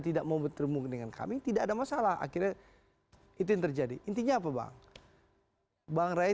tidak mau bertemu dengan kami tidak ada masalah akhirnya itu yang terjadi intinya apa bang bang ray